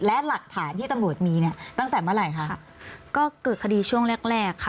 และหลักฐานที่ตำรวจมีเนี่ยตั้งแต่เมื่อไหร่คะก็เกิดคดีช่วงแรกแรกค่ะ